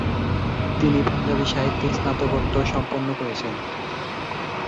তিনি পাঞ্জাবি সাহিত্যে স্নাতকোত্তর সম্পন্ন করেছেন।